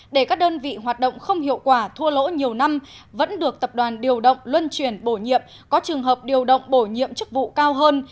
để các đơn vị hoạt động không hiệu quả thua lỗ nhiều năm vẫn được tập đoàn điều động luân chuyển bổ nhiệm có trường hợp điều động bổ nhiệm chức vụ cao hơn